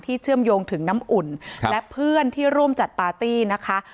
เชื่อมโยงถึงน้ำอุ่นและเพื่อนที่ร่วมจัดปาร์ตี้นะคะ